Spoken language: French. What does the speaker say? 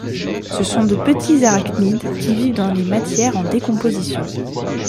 Ce sont de petits arachnides qui vivent dans les matières en décomposition.